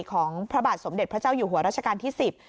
ของพระบาทสมเด็จพระเจ้าอยู่หัวรัชกาลที่๑๐